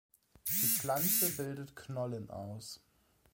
Die Pflanze bildet Knollen aus.